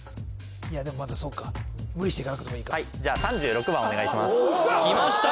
いやでもまだそうか無理していかなくてもいいかきました